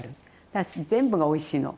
だし全部がおいしいの。